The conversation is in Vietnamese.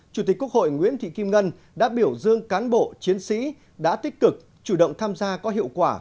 chủ tịch quốc hội nguyễn thị kim ngân đã biểu dương cán bộ chiến sĩ đã tích cực chủ động tham gia có hiệu quả